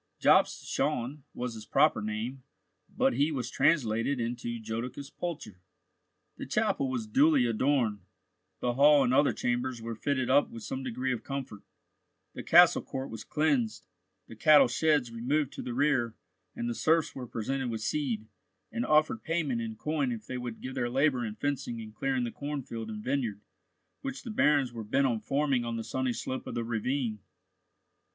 Jobst Schön was his proper name, but he was translated into Jodocus Pulcher. The chapel was duly adorned, the hall and other chambers were fitted up with some degree of comfort; the castle court was cleansed, the cattle sheds removed to the rear, and the serfs were presented with seed, and offered payment in coin if they would give their labour in fencing and clearing the cornfield and vineyard which the barons were bent on forming on the sunny slope of the ravine.